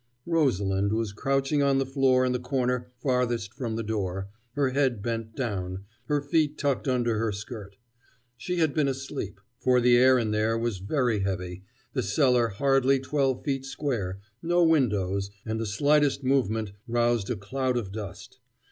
Rosalind was crouching on the floor in the corner farthest from the door, her head bent down, her feet tucked under her skirt. She had been asleep: for the air in there was very heavy, the cellar hardly twelve feet square, no windows, and the slightest movement roused a cloud of dust.